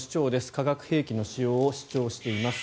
化学兵器の使用を主張しています。